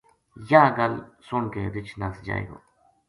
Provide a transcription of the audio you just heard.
یاہ گل سن کے رچھ نس جائے گو